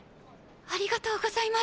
ありがとうございます！